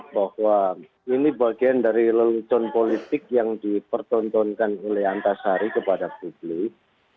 bahwa ini bagian dari lelucon politik yang dipertontonkan oleh antasari kepada publik